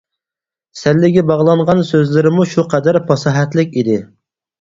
سەللىگە باغلانغان سۆزلىرىمۇ شۇ قەدەر پاساھەتلىك ئىدى.